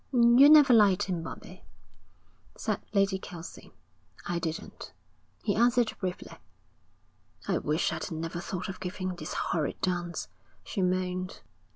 'You never liked him, Bobbie,' said Lady Kelsey. 'I didn't,' he answered briefly. 'I wish I'd never thought of giving this horrid dance,' she moaned.